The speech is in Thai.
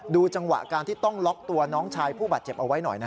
ดูจังหวะการที่ต้องล็อกตัวน้องชายผู้บาดเจ็บเอาไว้หน่อย